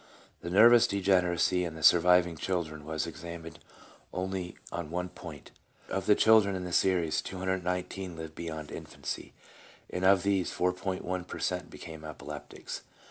The nervous degeneracy in the surviving children was examined only on one point. Of the children in the series, 219 lived beyond infancy, and of these 4.1 per cent, became epileptics.